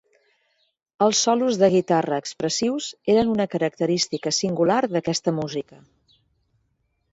Els solos de guitarra expressius eren una característica singular d'aquesta música.